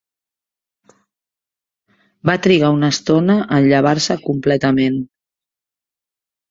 Va trigar una estona en llevar-se completament.